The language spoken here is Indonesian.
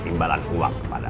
timbalan uang kepada